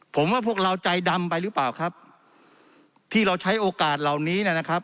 ผมว่าพวกเราใจดำไปหรือเปล่าครับที่เราใช้โอกาสเหล่านี้นะครับ